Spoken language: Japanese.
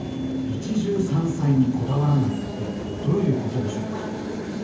「一汁三菜にこだわらない」ってどういうことでしょうか？